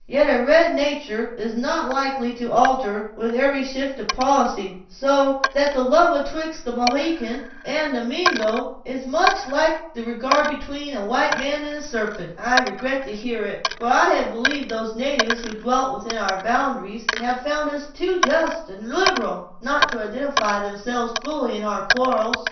Yet a red natur' is not likely to alter with every shift of policy; so that the love atwixt a Mohican and a Mingo is much like the regard between a white man and a sarpent." "I regret to hear it; for I had believed those natives who dwelt within our boundaries had found us too just and liberal, not to identify themselves fully with our quarrels."